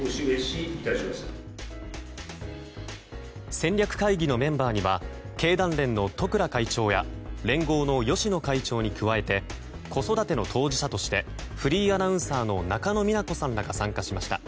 戦略会議のメンバーには経団連の十倉会長や連合の芳野会長に加えて子育ての当事者としてフリーアナウンサーの中野美奈子さんらが参加しました。